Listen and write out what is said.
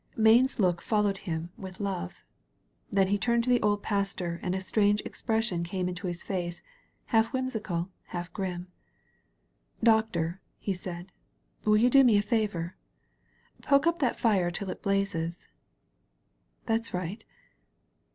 Mayne's look followed him with love. Then he turned to the old Pastor and a strange expression came into his face, half whimsical and half grim. "Doctor," he said, "will you do me a favor? Poke up that fire till it blazes. That's right.